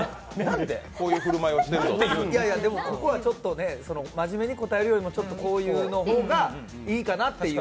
ここはちょっとね、まじめに答えるよりこういうのがいいかなと。